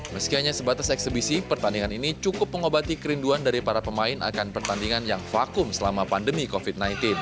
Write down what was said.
meski hanya sebatas eksebisi pertandingan ini cukup mengobati kerinduan dari para pemain akan pertandingan yang vakum selama pandemi covid sembilan belas